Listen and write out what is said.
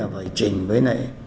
phải trình với